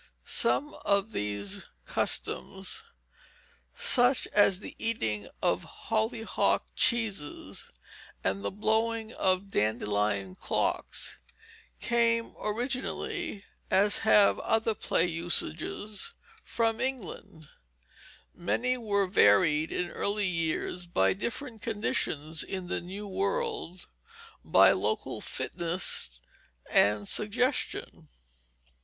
Some of these customs, such as the eating of hollyhock cheeses and the blowing of dandelion clocks, came originally, as have other play usages, from England; many were varied in early years by different conditions in the new world, by local fitness and suggestion.